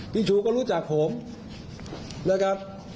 ชูก็รู้จักผมนะครับ